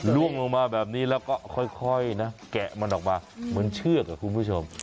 ล่วงลงมาแบบนี้แล้วก็ค่อยนะแกะมันออกมาเหมือนเชือกคุณผู้ชม